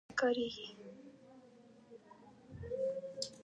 په پسرلي کې د طبیعت منظره ډیره ښایسته وي.